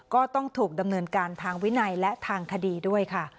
ก็ต้องถูกดำเนินการทางวินัยและทางคดีด้วยค่ะ